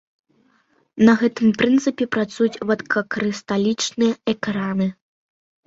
На гэтым прынцыпе працуюць вадкакрысталічныя экраны.